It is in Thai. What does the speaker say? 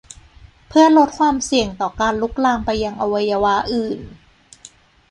เพื่อลดความเสี่ยงต่อการลุกลามไปยังอวัยวะอื่น